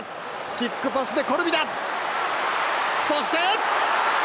キックパスでコルビだ！